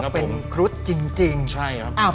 เป็นครุฑจริงใช่ครับ